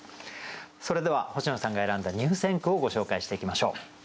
それでは星野さんが選んだ入選句をご紹介していきましょう。